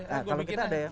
kalau kita ada ya